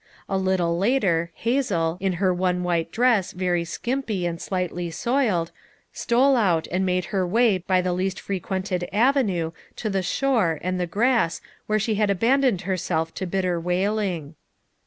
A little later, Hazel, in her one white dress very skimpy and slightly soiled, stole out and made her way by the least frequented avenue to the shore and the grass where she had abandoned herself to bitter wailing.